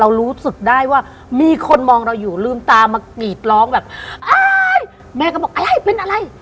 รู้สึกได้ว่ามีคนมองเราอยู่ลืมตามากรีดร้องแบบอายแม่ก็บอกอะไรเป็นอะไร